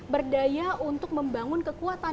berdaya untuk membangun kekuatan